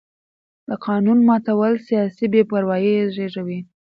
د قانون ماتول سیاسي بې باوري زېږوي